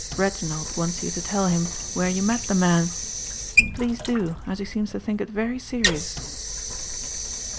Reginald wants you to tell him where you met the man. Please do as he seems to think it very serious."